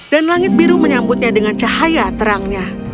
dan langit biru menyambutnya dengan cahaya terangnya